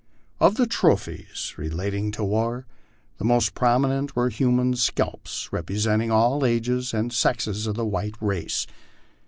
Of the tro phies relating to war, the most prominent were human scalps, representing all ages and sexes of the white race.